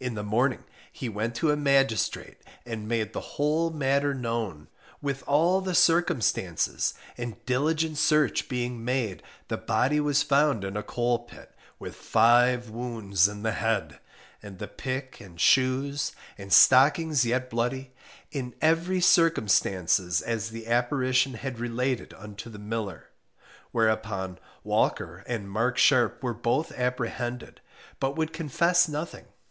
In the morning he went to a magistrate, and made the whole matter known, with all the circumstances; and diligent search being made the body was found in a coal pit, with five wounds in the head, and the pick and shoes, and stockings yet bloody, in every circumstances as the apparition had related unto the miller: whereupon Walker and Mark Sharpe were both apprehended, but would confess nothing.